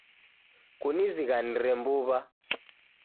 Kunizighanire mbuw'a